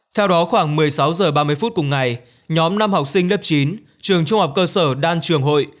theo đó khoảng một mươi sáu h ba mươi phút cùng ngày nhóm năm học sinh lớp chín trường trung học cơ sở đan trường hội